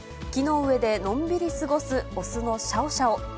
木の上でのんびり過ごす雄のシャオシャオ。